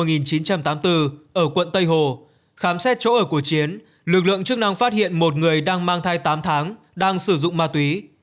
ở một nghìn chín trăm tám mươi bốn ở quận tây hồ khám xét chỗ ở của chiến lực lượng chức năng phát hiện một người đang mang thai tám tháng đang sử dụng ma túy